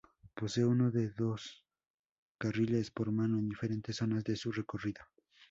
Posee uno o dos carriles por mano en diferentes zonas de su recorrido.